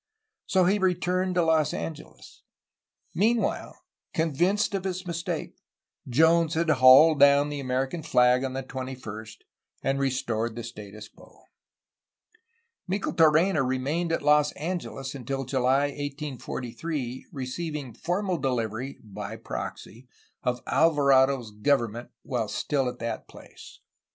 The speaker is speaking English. So he returned to Los Angeles. Meanwhile, convinced of his mistake, Jones had hauled down the American flag on the 21st, and restored the status quo, Micheltorena remained at Los Angeles until July 1843, receiving formal delivery (by proxy) of Alvarado's govern ment while still at that place.